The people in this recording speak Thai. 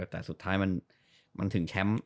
แต่สุดท้ายมันถึงแชมป์